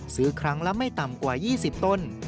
ซื้อครั้งละไม่ต่ำกว่า๒๐ต้น